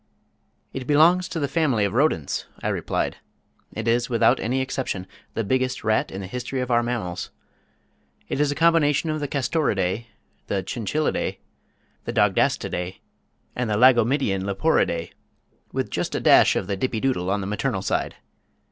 "It belongs to the family of Rodents," I replied. "It is without any exception the biggest rat in the history of our mammals. It is a combination of the Castoridæ, the Chinchillidæ, the Dodgastidæ, and the Lagomydian Leporidæ, with just a dash of the Dippydoodle on the maternal side."